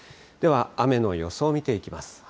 では雨の予想を見ていきます。